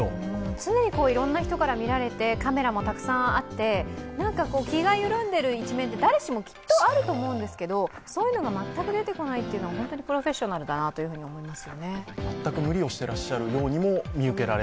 常にいろいろな人から見られて、カメラもたくさんあって、気が緩んでいる一面って誰しもきっとあると思うんですけれども、そういうのが全く出てこないというのが本当にプロフェッショナルだなと思います。